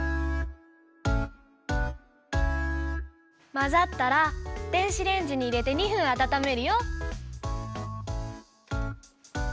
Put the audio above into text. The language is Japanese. まざったら電子レンジにいれて２分あたためるよ。